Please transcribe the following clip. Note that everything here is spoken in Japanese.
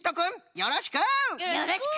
よろしく！